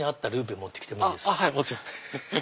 はいもちろん。